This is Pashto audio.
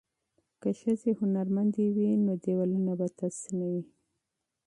که ښځې هنرمندې وي نو دیوالونه به تش نه وي.